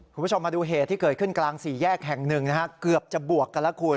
คุณผู้ชมมาดูเหตุที่เกิดขึ้นกลางสี่แยกแห่งหนึ่งนะฮะเกือบจะบวกกันแล้วคุณ